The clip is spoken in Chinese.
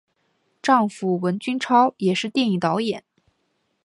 丈夫蒋君超也是电影导演。